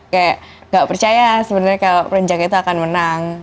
kayak gak percaya sebenarnya prenjak itu akan menang